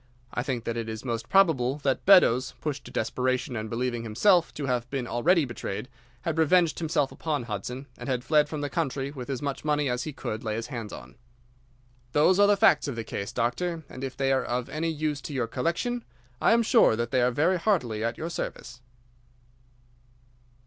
I think that it is most probable that Beddoes, pushed to desperation and believing himself to have been already betrayed, had revenged himself upon Hudson, and had fled from the country with as much money as he could lay his hands on. Those are the facts of the case, Doctor, and if they are of any use to your collection, I am sure that they are very heartily at your service."